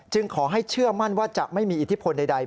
ขอให้เชื่อมั่นว่าจะไม่มีอิทธิพลใด